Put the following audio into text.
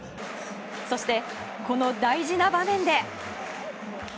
そして、この大事な場面で。